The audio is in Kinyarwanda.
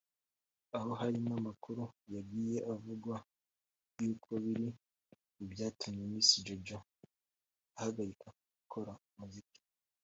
aho hari n’ amakuru yagiye avugwa yuko biri mu byatumye Miss Jojo ahagarika gukora umuziki